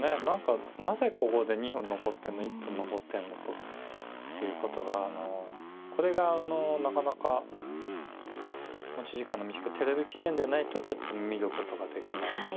何かなぜここで２分残ってんの１分残ってんのということがあのこれがなかなか持ち時間の短いテレビ棋戦じゃないとちょっと見ることができない。